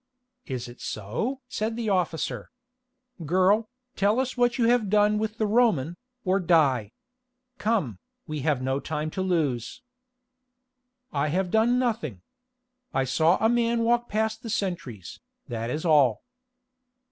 "Is it so?" said the officer. "Girl, tell us what you have done with the Roman, or die. Come, we have no time to lose." "I have done nothing. I saw a man walk past the sentries, that is all."